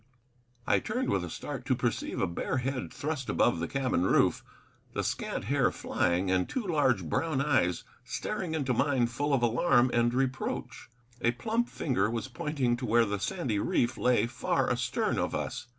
I turned with a start to perceive a bare head thrust above the cabin roof, the scant hair flying, and two large, brown eyes staring into mine full of alarm and reproach. A plump finger was pointing to where the sandy reef lay far astern of us.